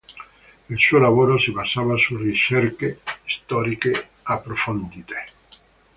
Il suo lavoro si basava su ricerche storiche approfondite.